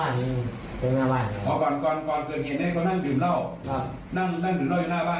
นั่งดื่มเหล้าอยู่หน้าบ้าน